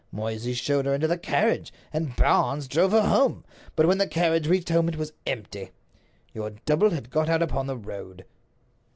Moysey showed her into the carriage, and Barnes drove her home. But when the carriage reached home it was empty. Your double had got out upon the road."